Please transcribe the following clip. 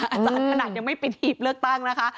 อาจารย์ขนาดยังไม่ปิดหีบเลือกตั้งนะคะ